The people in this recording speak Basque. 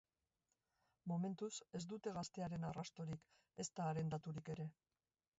Momentuz, ez dute gaztearen arrastorik, ezta haren daturik ere.